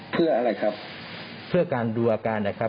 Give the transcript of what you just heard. เพื่ออะไรครับเพื่อการดูอาการนะครับ